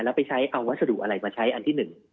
แล้วไปใช้เอาวัสดุอะไรมาใช้อันที่๑